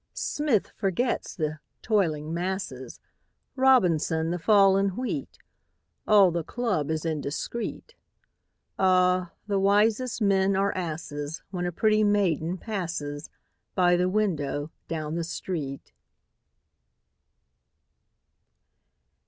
Smith forgets the "toiling masses," Robinson, the fall in wheat; All the club is indiscret. Ah, the wisest men are asses When a pretty maiden passes By the window down the street!